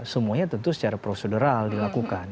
semuanya tentu secara prosedural dilakukan